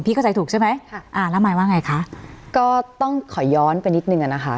เข้าใจถูกใช่ไหมค่ะอ่าแล้วหมายว่าไงคะก็ต้องขอย้อนไปนิดนึงอะนะคะ